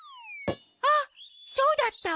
あっそうだった！